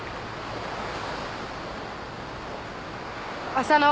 浅野。